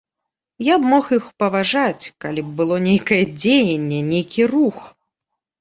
Я б мог іх паважаць, калі б было нейкае дзеянне, нейкі рух.